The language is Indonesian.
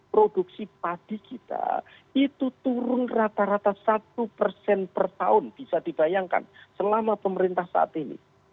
produksi padi kita itu turun rata rata satu per tahun bisa dibayangkan selama pemerintah saat ini